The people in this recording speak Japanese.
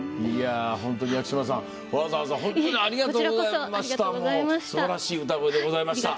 薬師丸さん、わざわざ本当にありがとうございました。